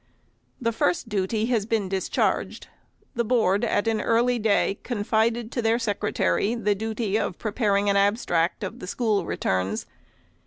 The first duty has been discharged. The Board at an early day confided to their Secretary the duty of preparing an abstract of the school returns.